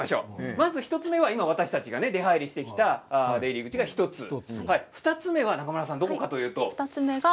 まず１つ目は今私たちが出はいりしてきた入り口が１つ２つ目は中村さんどこかというと。